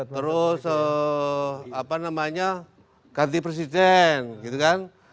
terus ganti presiden gitu kan